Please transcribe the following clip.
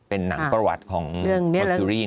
เป็นหนังประวัติของเมอร์เคอรี่